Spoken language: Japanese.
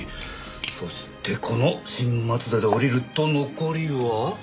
そしてこの新松戸で降りると残りは。